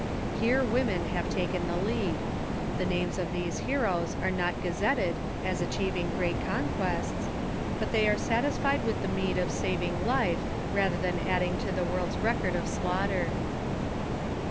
Here women have taken the lead. The names of these heroes are not gazetted as achieving great conquests; but they are satisfied with the meed of saving life rather than adding to the world's record of slaughter.